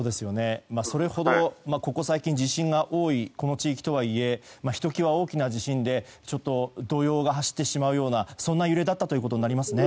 それほどここ最近地震が多いこの地域とはいえひと際大きな地震で動揺が走ってしまうような揺れだったということになりますね。